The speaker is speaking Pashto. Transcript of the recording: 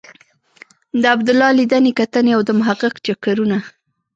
د عبدالله لیدنې کتنې او د محقق چکرونه.